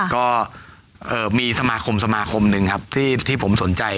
ก็มีสมาคมสมาคมหนึ่งครับที่ผมสนใจ